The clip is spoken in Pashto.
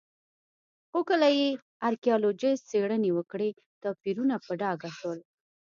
خو کله چې ارکيالوجېسټ څېړنې وکړې توپیرونه په ډاګه شول